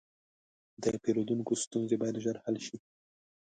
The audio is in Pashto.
د پیرودونکو ستونزې باید ژر حل شي.